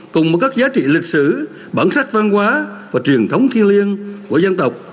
cùng với các giá trị lịch sử bản sắc văn hóa và truyền thống thiên liêng của dân tộc